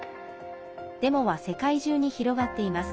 デモは世界中に広がっています。